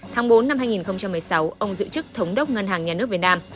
tháng bốn năm hai nghìn một mươi sáu ông giữ chức thống đốc ngân hàng nhà nước việt nam